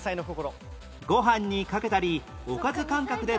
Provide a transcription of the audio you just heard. ご飯にかけたりおかず感覚で楽しめる